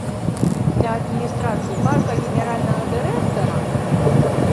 Для адміністрацыі парка, генеральнага дырэктара?